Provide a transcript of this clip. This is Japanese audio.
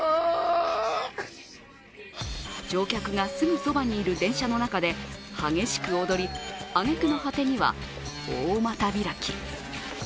乗客がすぐそばにいる電車の中で激しく踊り、あげくの果てには大股開き。